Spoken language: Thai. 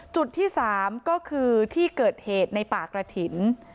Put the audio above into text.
จุดที่๓ก็คือที่เกิดเหตุในป่ากระถิ่น